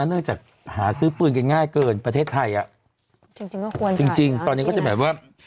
จะหนึ่งจะหาซื้อปืนกันง่ายเกินประเทศไทยอ่ะจริงสิ่งเกาะพ้นจริง๒๐๑๐